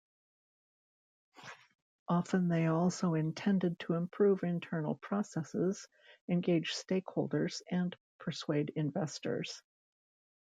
Often they also intended to improve internal processes, engage stakeholders and persuade investors.